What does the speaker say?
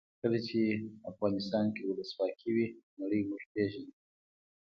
کله چې افغانستان کې ولسواکي وي نړۍ موږ پېژني.